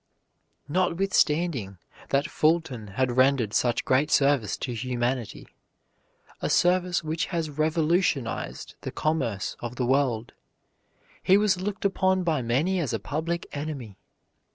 Notwithstanding that Fulton had rendered such great service to humanity, a service which has revolutionized the commerce of the world, he was looked upon by many as a public enemy.